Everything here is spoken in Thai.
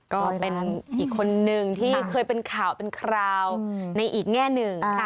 ก็เป็นอีกคนนึงที่เคยเป็นข่าวเป็นคราวในอีกแง่หนึ่งค่ะ